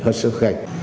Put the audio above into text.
trong việc kinh nghiệm